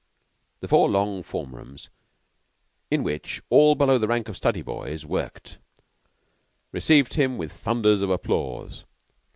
The four long form rooms, in which all below the rank of study boys worked, received him with thunders of applause.